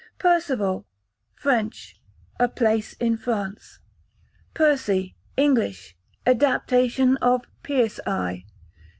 Percival, French, a place in France. Percy, English, adaptation of "pierce eye".